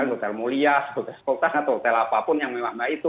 hotel mulia hotel sekolah atau hotel apapun yang mewah mewah itu